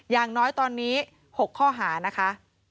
อย่างน้อยตอนนี้๖ข้อหานะคะ